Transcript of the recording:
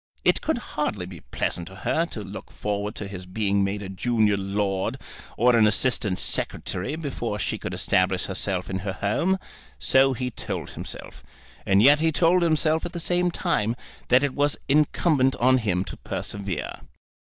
It could hardly be pleasant to her to look forward to his being made a junior lord or an assistant secretary before she could establish herself in her home. So he told himself. And yet he told himself at the same time that it was incumbent on him to persevere.